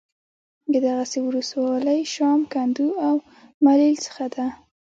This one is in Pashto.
د دغې ولسوالۍ شام ، کندو او ملیل څخه د